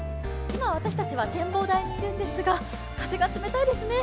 今、私たちは展望台にいるんですが風が冷たいですね。